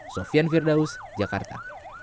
sofian firdaus jakarta